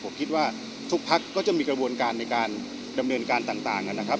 ผมคิดว่าทุกพักก็จะมีกระบวนการในการดำเนินการต่างนะครับ